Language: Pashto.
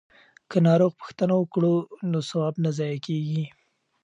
که ناروغ پوښتنه وکړو نو ثواب نه ضایع کیږي.